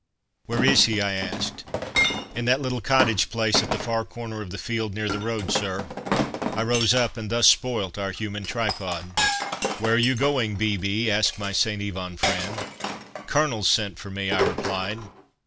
"Where is he?" I asked. "In that little cottage place at the far corner of the field, near the road, sir." I rose up and thus spoilt our human tripod. "Where are you going 'B.B.'?" asked my St. Yvon friend. "Colonel's sent for me," I replied.